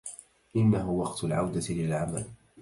إنه وقت العودة للعمل.